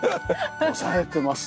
押さえてます！